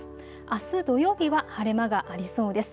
あす土曜日は晴れ間がありそうです。